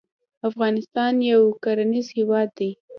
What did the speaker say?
افغانستان يو کرنيز هېواد دی.